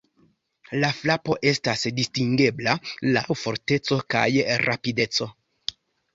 La frapo estas distingebla laŭ forteco kaj rapideco.